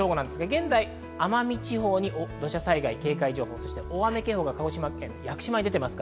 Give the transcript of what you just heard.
現在、奄美地方に土砂災害警戒情報、そして大雨警報が鹿児島県の屋久島に出ています。